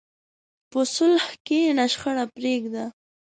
په صلح کښېنه، شخړه پرېږده.